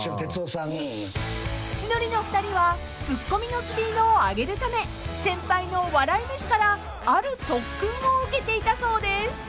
［千鳥のお二人はツッコミのスピードを上げるため先輩の笑い飯からある特訓を受けていたそうです］